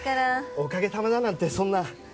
お陰さまだなんてそんな。